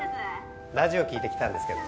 ラジオ聴いて来たんですけど。